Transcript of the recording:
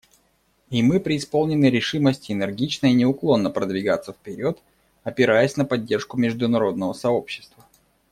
И мы преисполнены решимости энергично и неуклонно продвигаться вперед, опираясь на поддержку международного сообщества.